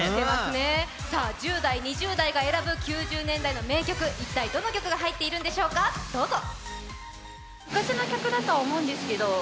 さあ、１０代、２０代が選ぶ９０年代の名曲、一体どの曲が入っているんでしょうか、どうぞ。